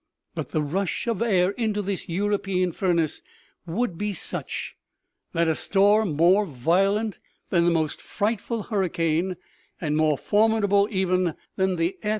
But the rush of air into this European furnace would be such that a storm more violent than the most frightful hurricane and more formidable even than the air 5 66 OMEGA.